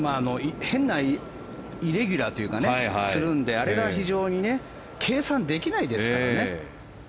変なイレギュラーするのであれが非常に計算できないですからね。